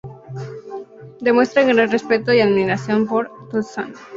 Demuestra un gran respeto y admiración por Tsunade.